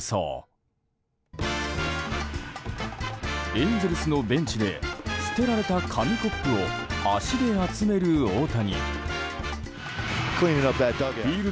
エンゼルスのベンチで捨てられた紙コップを足で集める大谷。